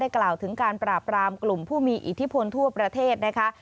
กล่าวถึงการปราบรามกลุ่มผู้มีอิทธิพลทั่วประเทศนะคะ